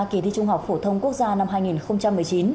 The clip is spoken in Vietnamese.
kỳ thi trung học phổ thông quốc gia năm hai nghìn một mươi chín